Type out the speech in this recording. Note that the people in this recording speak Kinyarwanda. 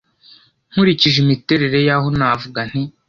Nkurikije imiterere yaho navuga nti